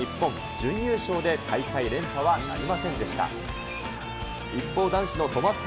準優勝で大会連覇はなりませんでした。